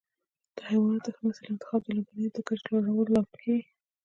د حیواناتو د ښه نسل انتخاب د لبنیاتو د کچې لوړولو لامل کېږي.